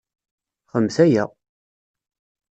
Xedmet aya!